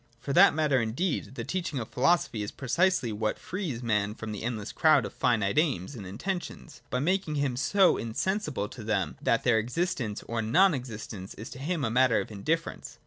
For that matter indeed, the teaching of philosophy is precisely what frees man from the endless crowd of finite aims and intentions, by making him so insensible to them, that their existence or non existence is to him a matter of indifference.